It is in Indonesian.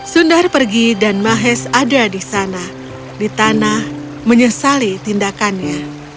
sundar pergi dan mahes ada di sana di tanah menyesali tindakannya